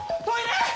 トイレ